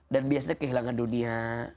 dan biasanya kehilangan dunia